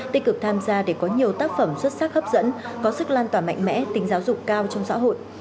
tích cực tham gia để có nhiều tác phẩm xuất sắc hấp dẫn có sức lan tỏa mạnh mẽ tính giáo dục cao trong xã hội